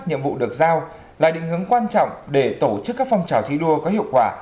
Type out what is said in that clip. nhiệm vụ được giao là định hướng quan trọng để tổ chức các phong trào thi đua có hiệu quả